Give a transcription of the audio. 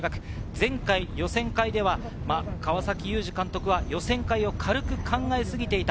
前回、予選会では川崎勇二監督は予選会を軽く考えすぎていた。